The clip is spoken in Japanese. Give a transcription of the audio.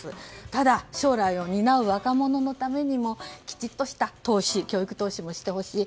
ただ、将来を担う若者のためにもきちっと教育投資もしてほしい。